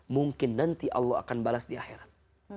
mungkin nanti allah akan balas di akhirat